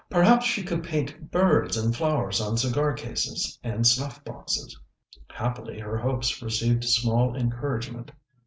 Perhaps she could paint birds and flowers on cigar cases and snuff boxes; happily her hopes received small encouragement.